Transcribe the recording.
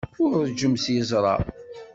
Ur ṛejjem s yeẓra.